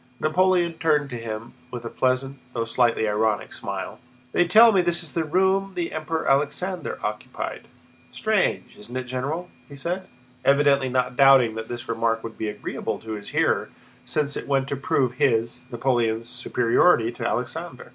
Napoleon turned to him with a pleasant, though slightly ironic, smile. "They tell me this is the room the Emperor Alexander occupied? Strange, isn't it, General?" he said, evidently not doubting that this remark would be agreeable to his hearer since it went to prove his, Napoleon's, superiority to Alexander.